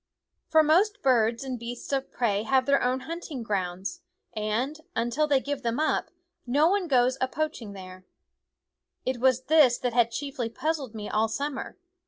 For most birds and beasts of prey have their own hunting grounds ; and, until they give them up, none other goes a poaching there. It was this that had chiefly puzzled me all summer.